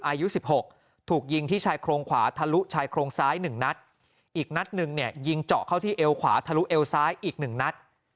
อายุ๑๖ถูกยิงที่ชายโครงขวาทะลุชายโครงซ้าย๑นัดอีกนัดหนึ่งเนี่ยยิงเจาะเข้าที่เอวขวาทะลุเอวซ้ายอีกหนึ่งนัด